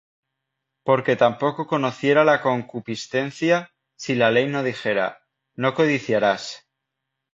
porque tampoco conociera la concupiscencia, si la ley no dijera: No codiciarás.